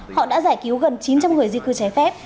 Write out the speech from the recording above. họ đã giải cứu gần chín trăm linh người di cư trái phép